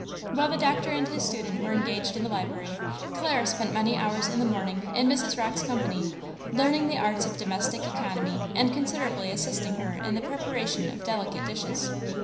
While the doctor and his student were engaged in the library, Clara spent many hours in the morning in Mrs. Rocke's company, learning the arts of domestic economy and considerably assisting her in the preparation of delicate dishes.